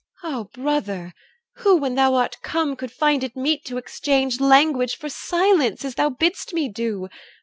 EL. Ah! brother, who, when thou art come, Could find it meet to exchange Language for silence, as thou bidst me do?